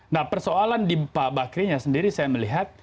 nah persoalan di pak bakrinya sendiri saya melihat